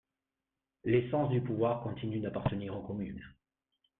L’essence du pouvoir continue d’appartenir aux communes.